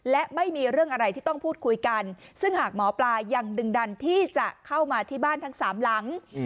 และไม่มีเรื่องอะไรที่ต้องพูดคุยกันซึ่งหากหมอปลายังดึงดันที่จะเข้ามาที่บ้านทั้งสามหลัง